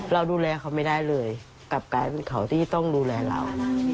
เราดูแลเขาไม่ได้เลยกลับกลายเป็นเขาที่ต้องดูแลเรา